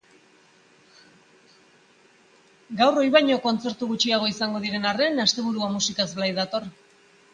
Gaur ohi baino kontzertu gutxiago egongo diren arren, asteburua musikaz blai dator!